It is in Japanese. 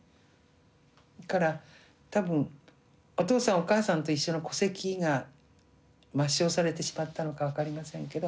だから多分お父さんお母さんと一緒の戸籍が抹消されてしまったのか分かりませんけど。